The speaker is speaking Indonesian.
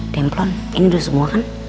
templon ini udah semua kan